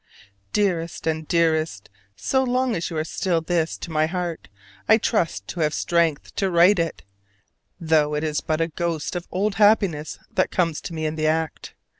Dearest and Dearest: So long as you are still this to my heart I trust to have strength to write it; though it is but a ghost of old happiness that comes to me in the act.